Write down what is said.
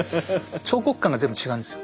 彫刻官が全部違うんですよ。